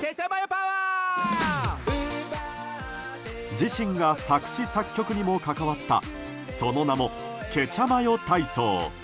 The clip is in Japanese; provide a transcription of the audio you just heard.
自身が作詞・作曲にも関わったその名も「ケチャマヨ体操」。